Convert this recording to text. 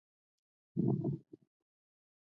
د کلیزو منظره د افغانستان د دوامداره پرمختګ لپاره اړین دي.